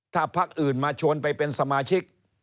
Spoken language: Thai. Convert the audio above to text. ถ้าพักอื่นมาชวนไปเป็นสมาชิก